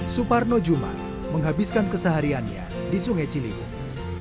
suparno jumat menghabiskan kesehariannya di sungai ciliwung